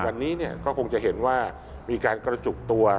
วันนี้ก็คงจะเห็นว่ามีการกระจุกตัว